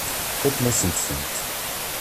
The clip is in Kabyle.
Fakken-asent-tent.